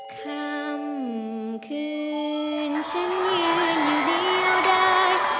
คำคืนฉันยืนอยู่เดียวได้